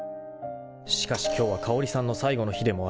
［しかし今日は香織さんの最後の日でもある］